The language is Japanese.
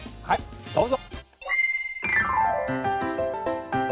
はいどうぞ。